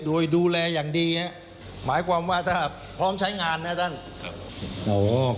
โดยดูแลอย่างดีฮะหมายความว่าถ้าพร้อมใช้งานนะท่านครับโอ้โห